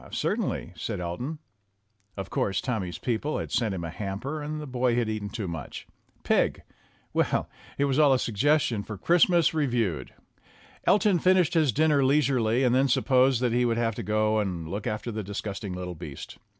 "Certainly," said Elton. Of course, Tommy's peo ple had sent him a hamper, and the boy had eaten too much. Pig ! Well, it was all a suggestion for "Christ mas Reviewed." Elton finished his dinner leisurely and then supposed that he would have to go and look after the dis gusting little beast.